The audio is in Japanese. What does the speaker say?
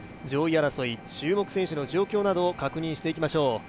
上位争いの注目選手の状況を確認していきましょう。